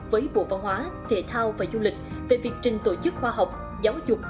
với bộ văn hóa thể thao và du lịch về việc trình tổ chức khoa học giáo dục